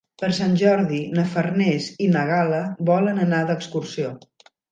Per Sant Jordi na Farners i na Gal·la volen anar d'excursió.